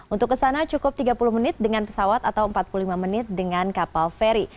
untuk kesana cukup tiga puluh menit dengan pesawat atau empat puluh lima menit dengan kapal feri